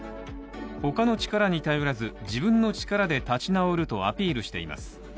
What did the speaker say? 他の力に頼らず、自分の力で立ち直るとアピールしています。